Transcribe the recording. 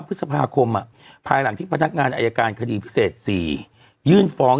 พฤษภาคมภายหลังที่พนักงานอายการคดีพิเศษ๔ยื่นฟ้อง